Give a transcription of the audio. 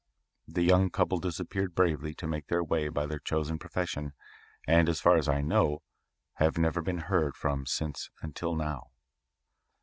The young couple disappeared bravely to make their way by their chosen profession and, as far as I know, have never been heard from since until now.